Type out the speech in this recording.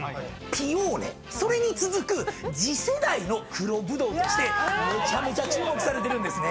ピオーネそれに続く次世代の黒ブドウとしてめちゃめちゃ注目されてるんですね。